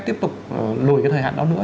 tiếp tục lùi thời hạn đó nữa